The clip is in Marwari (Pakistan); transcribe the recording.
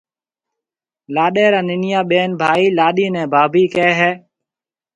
لاڏيَ را ننَيان ٻين ڀائي لاڏيِ نَي ڀاڀِي ڪهيَ هيَ۔